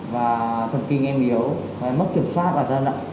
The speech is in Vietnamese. và thần kinh em yếu em mất kiểm soát bản thân ạ